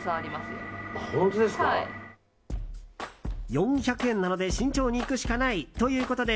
４００円なので慎重にいくしかないということで